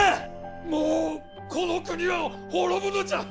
もうこの国は滅ぶのじゃ！